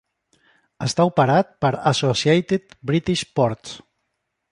Està operat per Associated British Ports.